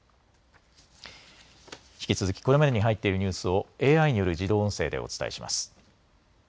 引き続きこれまでに入っているニュースをＡＩによる自動音声でお伝えします。